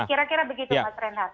kira kira begitu pak trenat